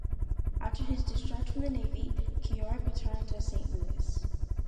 After his discharge from the Navy, Keough returned to Saint Louis.